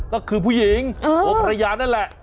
ก็คือผู้หญิงโอ้พระยานนั่นแหละ